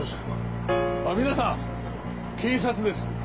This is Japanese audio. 皆さん警察です。